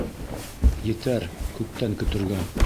Етәр күктән көтөргә.